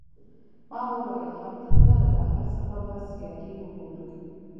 ما وویل، همدلته له بهر څخه به سیالۍ وګورو.